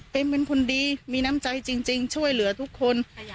เป็นคนดีมีน้ำใจจริงช่วยเหลือทุกคน